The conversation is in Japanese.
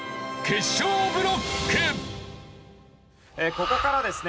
ここからですね